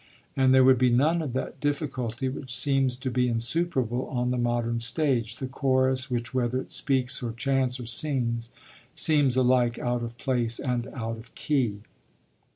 And there would be none of that difficulty which seems to be insuperable on the modern stage: the chorus, which, whether it speaks, or chants, or sings, seems alike out of place and out of key.